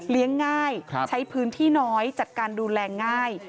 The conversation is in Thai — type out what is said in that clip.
ง่ายใช้พื้นที่น้อยจัดการดูแลง่าย